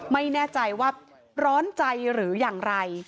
ไม่แน่ใจว่าร้อนใจหรืออย่างไร